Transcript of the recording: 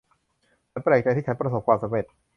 ฉันแปลกใจที่ฉันประสบความสำเร็จ